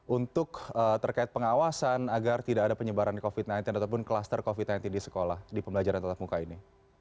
untuk terkait pengawasan agar tidak ada penyebaran covid sembilan belas ataupun kluster covid sembilan belas di sekolah di pembelajaran tetap muka ini